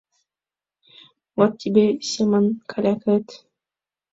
Вот тебе Семон калякает.